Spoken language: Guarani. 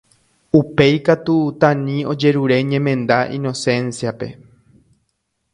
Upéi katu Tani ojerure ñemenda Inocencia-pe.